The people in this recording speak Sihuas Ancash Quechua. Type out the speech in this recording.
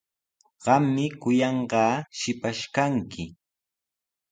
Qami kuyanqaa shipash kanki.